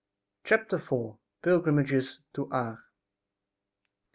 CHAPTER IV. PILGRIMAGES TO ARS.